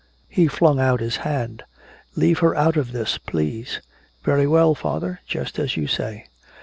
_" He flung out his hand: "Leave her out of this, please!" "Very well, father, just as you say."